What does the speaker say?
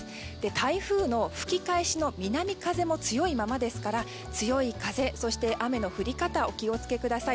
台風の吹き返しの南風も強いままですから強い風、そして雨の降り方お気を付けください。